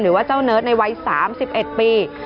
หรือว่าเจ้าเนิร์ดในวัย๓๑ปี